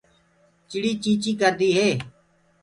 چِڙي چيٚنٚچيٚڪردي هي۔